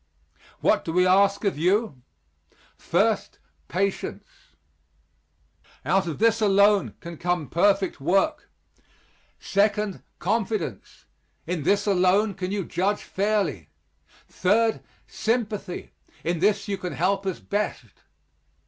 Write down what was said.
What do we ask of you? First, patience; out of this alone can come perfect work. Second, confidence; in this alone can you judge fairly. Third, sympathy; in this you can help us best.